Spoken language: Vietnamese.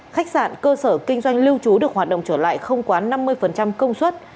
khách sạn cơ sở kinh doanh lưu trú được hoạt động trở lại không quá năm mươi công suất